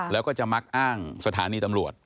แล้วก็จะมักอ้างสถานีตำรวจ